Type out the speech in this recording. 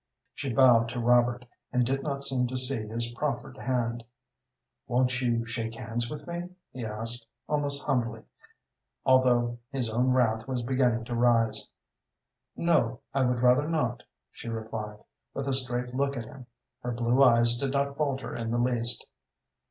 She bowed to Robert, and did not seem to see his proffered hand. "Won't you shake hands with me?" he asked, almost humbly, although his own wrath was beginning to rise. "No, I would rather not," she replied, with a straight look at him. Her blue eyes did not falter in the least.